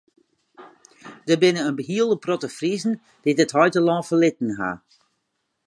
Der binne in hiele protte Friezen dy't it heitelân ferlitten ha.